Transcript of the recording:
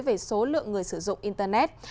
về số lượng người sử dụng internet